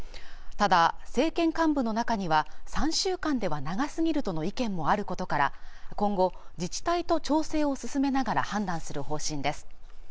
ただ政権幹部の中には３週間では長すぎるとの意見もあることから今後自治体と調整を進めながら判断する方針です